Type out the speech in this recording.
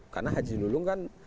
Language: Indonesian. karena haji lulung kan